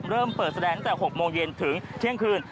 เริ่มเปิดแสดงตั้งแต่๖โมงเย็นถึงเที่ยงคืน